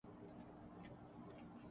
انگن ٹیڑھا ناچ نہ جانے میں بدل گیا